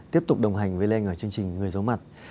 tiếp tục đồng hành với lê anh ở chương trình người giấu mặt